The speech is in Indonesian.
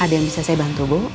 ada yang bisa saya bantu bu